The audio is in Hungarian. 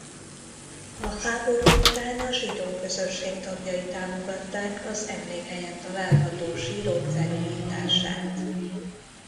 A háború után a zsidó közösség tagjai támogatták az emlékhelyen található sírok felújítását.